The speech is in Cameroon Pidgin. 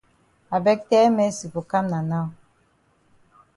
I beg tell Mercy for kam na now.